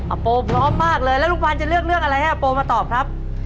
อัปโปพร้อมมากเลยแล้วลุงพันธุ์จะเลือกอะไรให้อัปโปมาตอบครับ